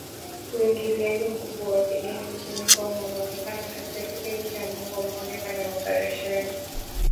uingiliaji mkubwa wa kigeni nchini Kongo umeonekana katika kipindi cha muongo mmoja kando na operesheni ya kulinda Amani ya Umoja wa Mataifa